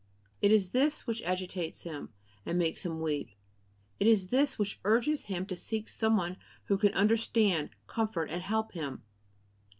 It is this which agitates him, and makes him weep; it is this which urges him to seek some one who can understand, comfort, and help him.